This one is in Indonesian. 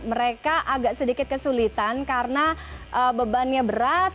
mereka agak sedikit kesulitan karena bebannya berat